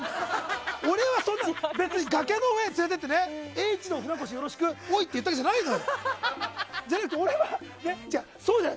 俺は、別の崖の上に連れて行って船越、よろしくおい！って言ったわけじゃないのよ。